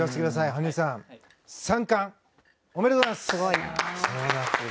羽生さん、３冠おめでとうございます。